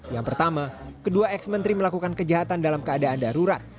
yang pertama kedua ex menteri melakukan kejahatan dalam keadaan darurat